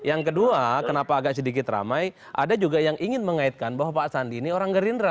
yang kedua kenapa agak sedikit ramai ada juga yang ingin mengaitkan bahwa pak sandi ini orang gerindra